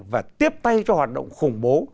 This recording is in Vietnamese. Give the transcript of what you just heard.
cái tay cho hoạt động khủng bố